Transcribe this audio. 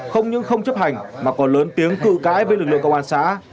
không những không chấp hành mà còn lớn tiếng cự cãi với lực lượng công an xã